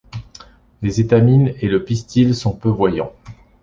Les étamines et le pistil sont peu voyants.